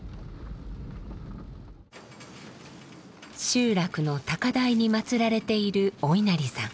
集落の高台にまつられているお稲荷さん。